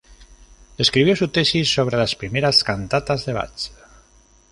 Escribió su tesis sobre las primeras cantatas de Bach.